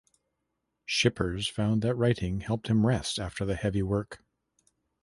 Schippers found that writing helped him rest after the heavy work.